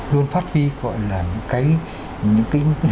luôn phát huy những hình ảnh đẹp của người chính sức khoản cách mạng của chúng ta